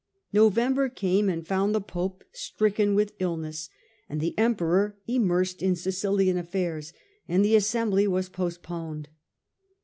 November came and found the Pope stricken with illness and the Emperor immersed in Sicilian affairs, and the assembly was postponed.